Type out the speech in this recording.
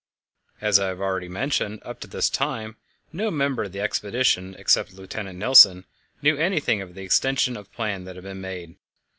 As I have already mentioned, up to this time no member of the expedition, except Lieutenant Nilsen, knew anything of the extension of plan that had been made.